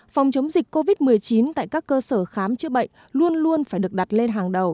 phòng chống dịch covid một mươi chín tại các cơ sở khám chữa bệnh luôn luôn phải được đặt lên hàng đầu